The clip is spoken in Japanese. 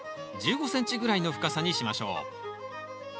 １５ｃｍぐらいの深さにしましょう。